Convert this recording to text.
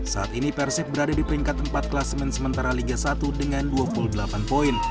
saat ini persib berada di peringkat empat klasemen sementara liga satu dengan dua puluh delapan poin